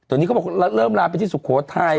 ตอนนี้เขาบอกเริ่มลาไปที่สุโขทัย